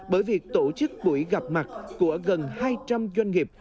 bởi việc tổ chức buổi gặp mặt của gần hai trăm linh doanh nghiệp